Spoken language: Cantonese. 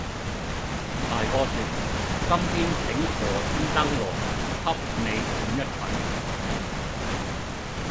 大哥説，「今天請何先生來，給你診一診。」